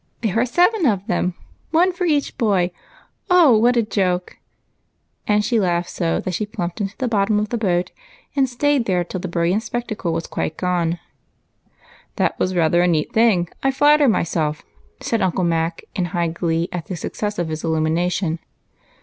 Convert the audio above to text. There are seven of them, — one for each boy ! Oh, what a joke !" and she laughed so that she plumped into the bottom of the boat and stayed there till the brilliant spectacle was quite gone. 116 EIGHT COUSINS. ROSE'S SACRIFICE. 117 " That was rather a neat thing, I flatter myself," said Uncle Mac in high glee at the success of his iUumination.